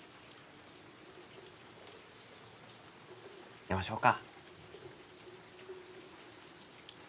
寝ましょうか。